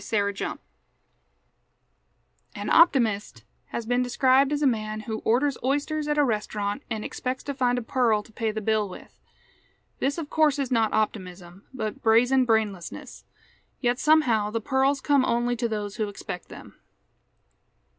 _ HERE'S HOPIN' An optimist has been described as a man who orders oysters at a restaurant and expects to find a pearl to pay the bill with. This of course is not optimism, but brazen brainlessness. Yet somehow the pearls come only to those who expect them.